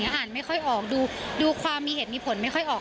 อ่านไม่ค่อยออกดูความมีเหตุมีผลไม่ค่อยออก